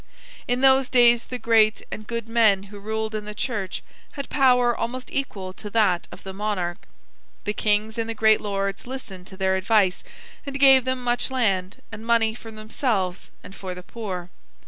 In those days the great and good men who ruled in the church had power almost equal to that of the monarch. The kings and the great lords listened to their advice, and gave them much land, and money for themselves and for the poor.